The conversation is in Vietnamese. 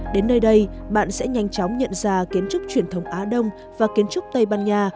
đến nơi đây bạn sẽ nhanh chóng nhận ra kiến trúc truyền thống á đông và kiến trúc tây ban nha